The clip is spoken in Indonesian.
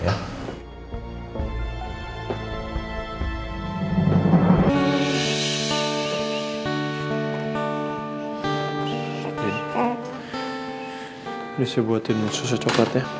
lihat saya buatin susu cokelat ya